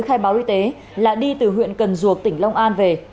khai báo y tế là đi từ huyện cần duộc tỉnh long an về